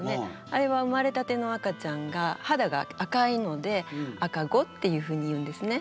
あれは生まれたての赤ちゃんがはだが赤いので赤子っていうふうに言うんですね。